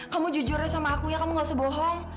kamu jujurnya sama aku ya kamu nggak usah bohong